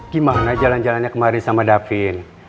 gimana jalan jalannya kemarin sama davin